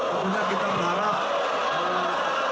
kemudian kita berharap